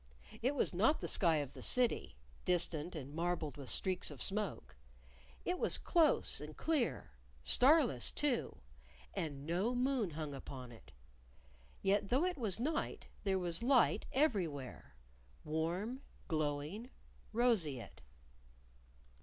It was not the sky of the City, distant, and marbled with streaks of smoke. It was close and clear; starless, too; and no moon hung upon it. Yet though it was night there was light everywhere warm, glowing, roseate.